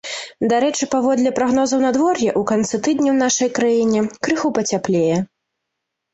Дарэчы, паводле прагнозу надвор'я, у канцы тыдня ў нашай краіне крыху пацяплее.